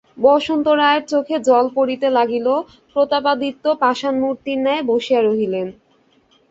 বসন্ত রায়ের চোখে জল পড়িতে লাগিল, প্রতাপাদিত্য পাষাণমূর্তির ন্যায় বসিয়া রহিলেন।